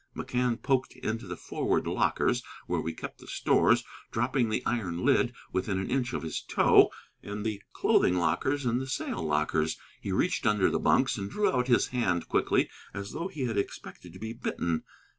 McCann poked into the forward lockers where we kept the stores, dropping the iron lid within an inch of his toe, and the clothing lockers and the sail lockers. He reached under the bunks, and drew out his hand again quickly, as though he expected to be bitten.